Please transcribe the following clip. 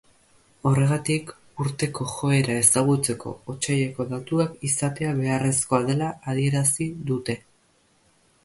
Horregatik, urteko joera ezagutzeko otsaileko datuak izatea beharrezkoa dela adierazi dute.